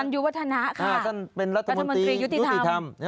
ยุวัฒนะค่ะท่านเป็นรัฐมนตรียุติธรรม